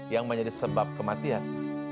yang menjadi sebab kematian